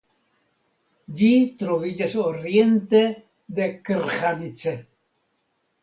Ĝi troviĝas oriente de Krhanice.